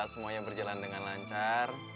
semuanya berjalan dengan lancar